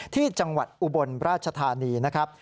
ที่จังหวัดอุบลราชธานีนะครับ